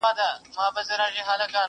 اوبولې یې ریشتیا د زړونو مراندي،